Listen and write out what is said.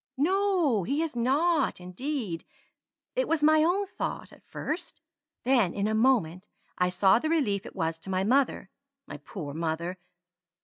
"No, he has not, indeed. It was my own thought at first. Then in a moment I saw the relief it was to my mother my poor mother!